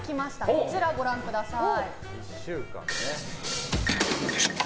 こちらをご覧ください。